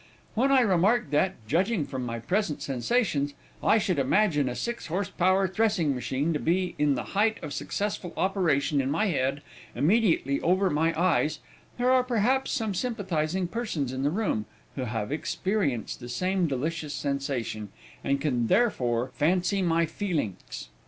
"When I remark that, judging from my present sensations, I should imagine a six horse power threshing machine to be in the height of successful operation in my head, immediately over my eyes, there are perhaps some sympathizing persons in the room, who have experienced the same delicious sensation, and can therefore 'phancy my pheelinks.'"